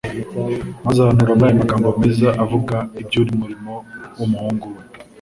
maze ahanura muri aya magambo meza avuga iby'umurimo w'umuhungu we